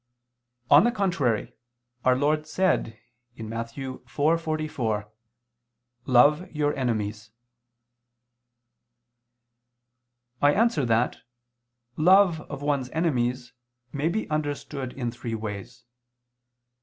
On the contrary, Our Lord said (Matt. 4:44): "Love your enemies." I answer that, Love of one's enemies may be understood in three ways.